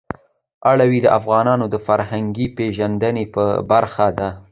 اوړي د افغانانو د فرهنګي پیژندنې برخه ده.